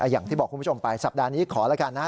อย่างที่บอกคุณผู้ชมไปสัปดาห์นี้ขอแล้วกันนะฮะ